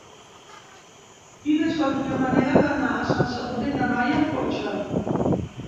Quina és la millor manera d'anar a Sant Sadurní d'Anoia amb cotxe?